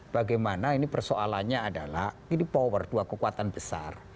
bagaimana ini persoalannya adalah ini power dua kekuatan besar